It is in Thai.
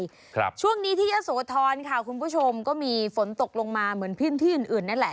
ครับช่วงนี้ที่ยะโสธรค่ะคุณผู้ชมก็มีฝนตกลงมาเหมือนพื้นที่อื่นอื่นนั่นแหละ